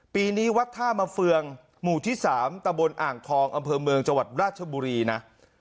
ปีนี้วัดท่ามาเฟืองหมู่ที่๓ตะบนอ่างทองอำเภอเมืองจังหวัดราชบุรีนะ